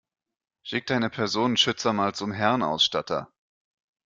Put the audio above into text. Schick deine Personenschützer mal zum Herrenausstatter.